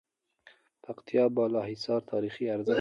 پکتيا بالاحصار تاريخي ارزښت لری